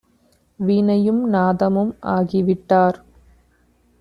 வீணையும் நாதமும் ஆகிவிட்டார்!